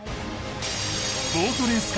ボートレース界